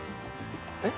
えっ？